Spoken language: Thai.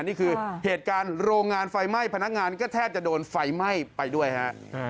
นี่คือเหตุการณ์โรงงานไฟไหม้พนักงานก็แทบจะโดนไฟไหม้ไปด้วยฮะ